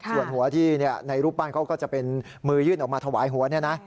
ส่วนหัวที่ในรูปปั้นเค้าก็จะเป็นมือยืนออกมาถวายหัว